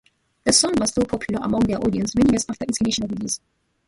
The song was still popular among their audience many years after its initial release.